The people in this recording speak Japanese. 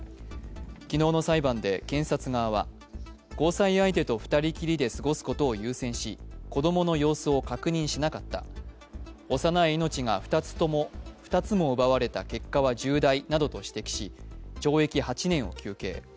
昨日の裁判で検察側は交際相手と２人きりで過ごすことを優先し、子供の様子を確認しなかった幼い命が２つも奪われた結果は重大と指摘し懲役８年を求刑。